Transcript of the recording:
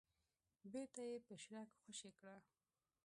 بېرته يې په شړک خوشې کړه.